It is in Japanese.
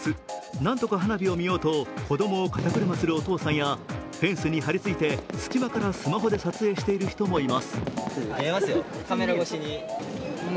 何とか花火を見ようと子供を肩車するお父さんやフェンスに張り付いて隙間からスマホで撮影している人もいます。